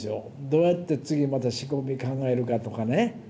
どうやって次また仕込み考えるかとかね。